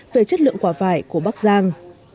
về chất lượng quả vải của bắc giang